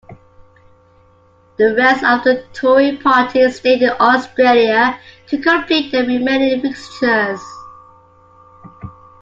The rest of the touring party stayed in Australia to complete their remaining fixtures.